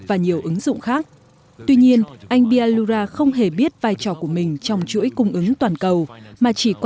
anh andri bagawa bialura đã sẵn sàng cho một ngày làm việc mới